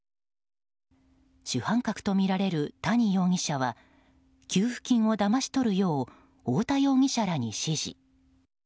主犯格とみられる谷容疑者は給付金をだまし取るよう太田容疑者らに指示。